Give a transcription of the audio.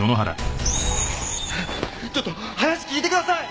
ちょっと話聞いてください！